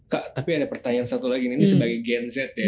kak tapi ada pertanyaan satu lagi ini sebagai gen z ya